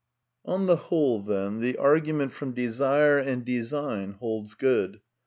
On the whole, then, the argument from desire and de sign holds good.